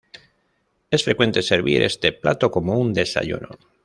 Es frecuente servir este plato como un desayuno.